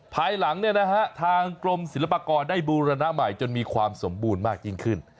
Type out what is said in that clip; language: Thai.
ภายหลังทางกรมศิลปากรได้บูรณะใหม่จนมีความสมบูรณ์มากยิ่งขึ้น